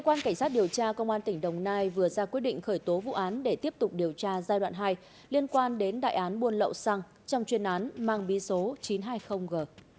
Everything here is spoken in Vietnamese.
cơ quan cảnh sát điều tra công an tỉnh đồng nai vừa ra quyết định khởi tố vụ án để tiếp tục điều tra giai đoạn hai liên quan đến đại án buôn lậu xăng trong chuyên án mang bí số chín trăm hai mươi g